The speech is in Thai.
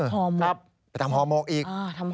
ไปทำหอมกอีก